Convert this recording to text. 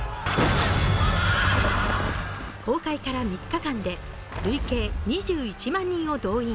公開から３日間で累計２１万人を動員。